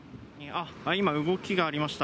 今、動きがありました。